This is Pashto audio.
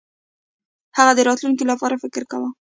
هغه د راتلونکي لپاره فکر کاوه.